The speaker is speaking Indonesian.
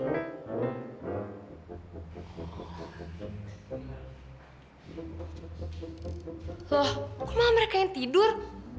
loh kok malah mereka yang tidur